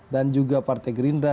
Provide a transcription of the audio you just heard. dan juga partai gerindra